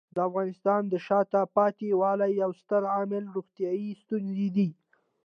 د افغانستان د شاته پاتې والي یو ستر عامل روغتیايي ستونزې دي.